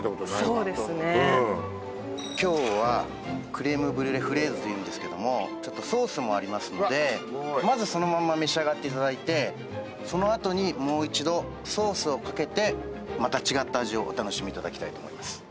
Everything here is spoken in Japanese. そうですねうん今日はクレームブリュレフレーズというんですけどもちょっとソースもありますのでわっすごいまずそのまま召し上がっていただいてそのあとにもう一度ソースをかけてまた違った味をお楽しみいただきたいと思います